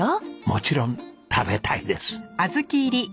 もちろん食べたいです。